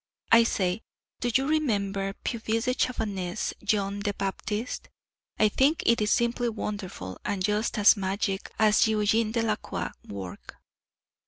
I say, do you remember Puvis de Chavannes' "John the Baptist"? I think it is simply wonderful and just as magic as Eugène Delacroix' work.